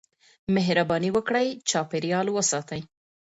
مهرباني وکړئ چاپېريال وساتئ.